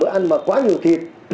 đồ ăn mà quá nhiều thịt